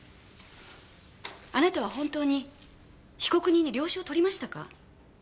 あなたは本当に被告人に了承を取りましたか？